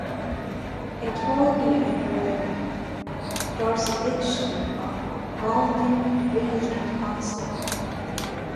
It will be under the jurisdiction of Golan Regional Council.